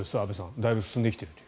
だいぶ進んできてると。